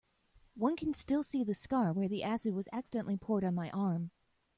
One can still see the scar where the acid was accidentally poured on my arm.